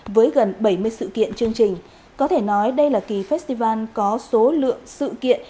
với gần bảy mươi sự kiện chương trình có thể nói đây là kỳ festival có số lượng sự kiện